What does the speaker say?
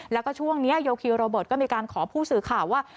แล้วก็ช่วงนี้โยคิวโรเบิร์ตก็มีการขอผู้สื่อข่าวว่า